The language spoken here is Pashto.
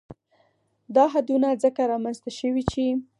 دا حدونه ځکه رامنځ ته شوي چې